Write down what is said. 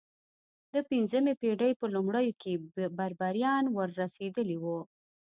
د پنځمې پېړۍ په لومړیو کې بربریان ور رسېدلي وو.